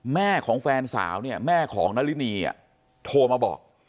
แม่ของแฟนสาวเนี่ยแม่ของนารินีโทรมาบอก